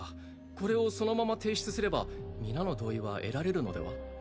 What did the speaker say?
これをそのまま提出すれば皆の同意は得られるのでは？